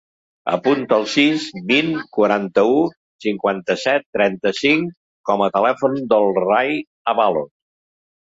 Apunta el sis, vint, quaranta-u, cinquanta-set, trenta-cinc com a telèfon del Rai Abalos.